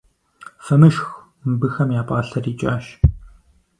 Фымышх, мыбыхэм я пӏалъэр икӏащ.